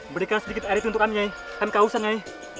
berikan sedikit air itu untuk kami nyai kami kawasan nyai